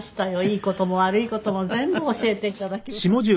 いい事も悪い事も全部教えていただきました。